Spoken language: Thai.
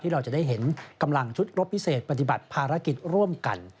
เราจะได้เห็นกำลังชุดรบพิเศษปฏิบัติภารกิจร่วมกัน